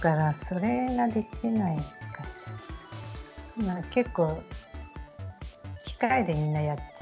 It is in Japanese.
今結構機械でみんなやっちゃうから。